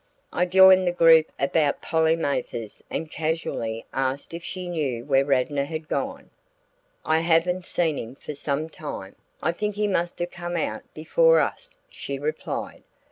I joined the group about Polly Mathers and casually asked if she knew where Radnor had gone. "I haven't seen him for some time; I think he must have come out before us," she replied.